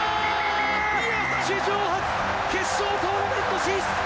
史上初、決勝トーナメント進出！